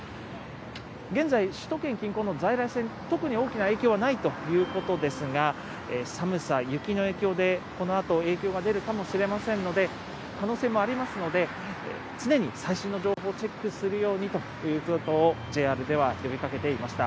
現在、首都圏近郊の在来線、特に大きな影響はないということですが、寒さ、雪の影響で、このあと影響が出るかもしれませんので、可能性もありますので、常に最新の情報をチェックするようにということをＪＲでは呼びかけていました。